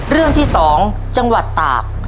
เรื่องที่๒จังหวัดตาก